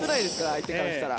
相手からしたら。